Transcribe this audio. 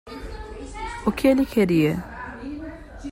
O que ele queria?